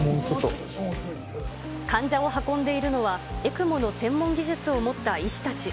患者を運んでいるのは、ＥＣＭＯの専門技術を持った医師たち。